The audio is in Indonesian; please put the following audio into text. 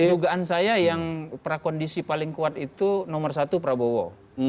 dugaan saya yang prakondisi paling kuat itu nomor satu prabowo